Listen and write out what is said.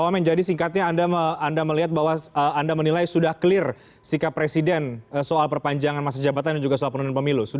menjadi singkatnya anda melihat bahwa anda menilai sudah clear sikap presiden soal perpanjangan masa jabatan dan juga soal penundaan pemilu